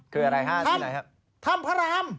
คืออะไรห้าที่ไหนครับถ้ำถ้ำพระราม